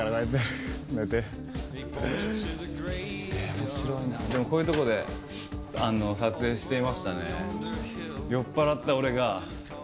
面白いなでもこういうとこで撮影していましたね。